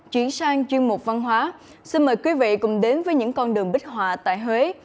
chuyển sang chuyên mục văn hóa xin mời quý vị cùng đến với những con đường bích họa tại huế